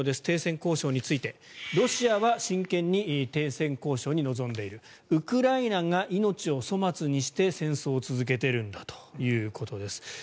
停戦交渉についてロシアは真剣に停戦交渉に臨んでいるウクライナが命を粗末にして戦争を続けてるんだということです。